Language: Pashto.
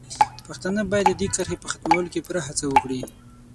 پښتانه باید د دې کرښې په ختمولو کې پوره هڅه وکړي.